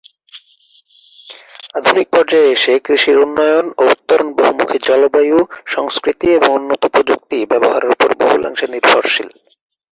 আধুনিক পর্যায়ে এসে কৃষির উন্নয়ন ও উত্তরণ বহুমূখী জলবায়ু, সংস্কৃতি এবং উন্নত প্রযুক্তি ব্যবহারের উপর বহুলাংশে নির্ভরশীল।